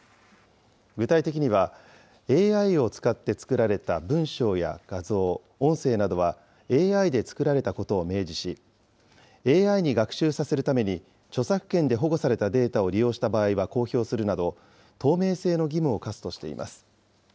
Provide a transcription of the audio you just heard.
具体的には、ＡＩを使って作られた文章や画像、音声などはＡＩで作られたことを明示し、ＡＩに学習させるために、著作権で保護されたデータを利用した場合は公表するなど、透明性の義務を課すとしています。